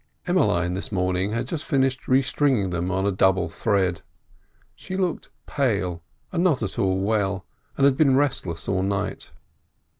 Emmeline this morning had just finished restringing them on a double thread. She looked pale and not at all well and had been restless all night.